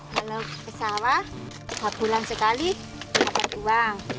kalau kesawah sebulan sekali dapat uang